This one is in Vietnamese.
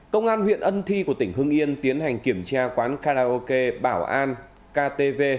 công an huyện ân thi của tỉnh hưng yên tiến hành kiểm tra quán karaoke bảo an ktv